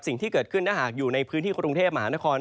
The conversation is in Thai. สิ่งที่เกิดขึ้นถ้าหากอยู่ในพื้นที่กรุงเทพมหานคร